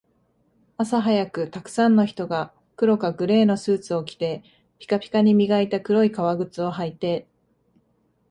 朝早く、沢山の人が黒かグレーのスーツを着て、ピカピカに磨いた黒い革靴を履いて